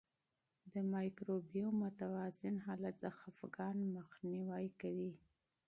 د مایکروبیوم متوازن حالت د خپګان مخنیوی کوي.